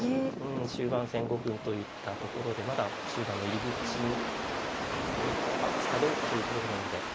中盤戦５分といったところでまだ中盤の入り口に立つかどうかというところなので。